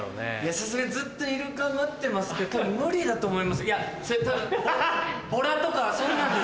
さすがにずっとイルカ待ってますけど多分無理だと思いますいやそれ多分。